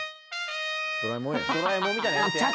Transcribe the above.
「ドラえもん」やんちゃ